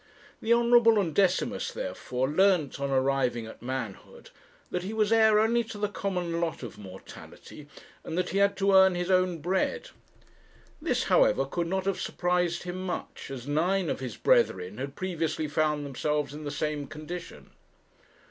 The Hon. Undecimus, therefore, learnt, on arriving at manhood, that he was heir only to the common lot of mortality, and that he had to earn his own bread. This, however, could not have surprised him much, as nine of his brethren had previously found themselves in the same condition.